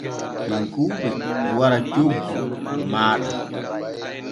Tekkuuɓe e wara coggu to maaɗa.